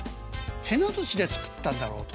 へな土で作ったんだろうと。